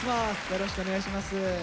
よろしくお願いします。